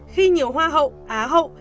khi nhiều hoa hậu á hậu